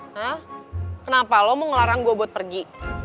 nah kenapa lo mau ngelarang gue buat pergi